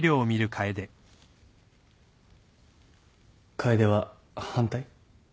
楓は反対？